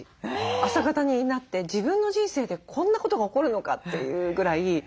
朝型になって自分の人生でこんなことが起こるのかというぐらい変わりました。